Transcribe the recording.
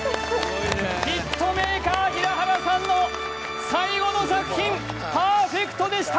ヒットメーカー平原さんの最後の作品パーフェクトでした！